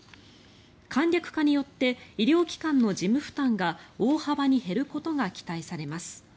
簡略化によって医療機関の事務負担が大幅に減ることが期待されます。